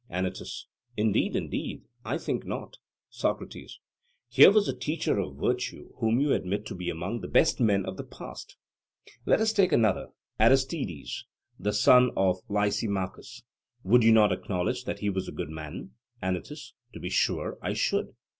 ANYTUS: Indeed, indeed, I think not. SOCRATES: Here was a teacher of virtue whom you admit to be among the best men of the past. Let us take another, Aristides, the son of Lysimachus: would you not acknowledge that he was a good man? ANYTUS: To be sure I should.